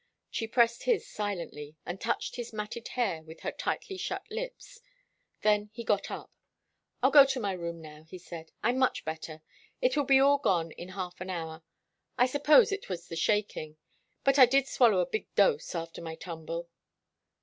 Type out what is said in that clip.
She pressed his silently, and touched his matted hair with her tightly shut lips. Then he got up. "I'll go to my room, now," he said. "I'm much better. It will be all gone in half an hour. I suppose it was the shaking, but I did swallow a big dose after my tumble."